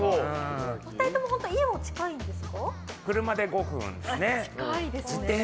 ２人とも家も近いんですか。